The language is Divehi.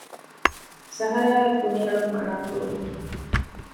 ސަހަރާއަށް ކުނިއެޅުން މަނާ ކުރުން